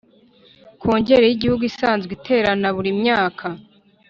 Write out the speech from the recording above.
Kongere y igihugu isanzwe iterana buri myaka